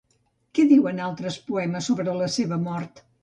Què diuen altres poemes sobre la seva mort?